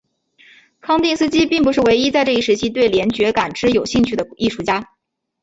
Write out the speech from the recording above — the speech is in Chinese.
康定斯基并不是唯一在这一时期对联觉感知有兴趣的艺术家。